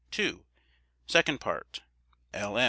Second Part. L.